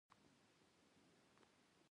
حشمتي په همدې خوږو خيالونو کې ډوب تللی و.